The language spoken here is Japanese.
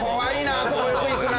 あそこよく行くな。